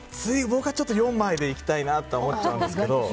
僕は４枚でいきたいなと思っちゃうんですけど。